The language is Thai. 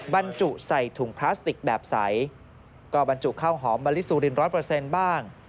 บรรจุใส่ถุงพลาสติกแบบใสก็บรรจุข้าวหอมบริสุริน๑๐๐บ้าง